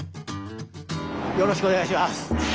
よろしくお願いします。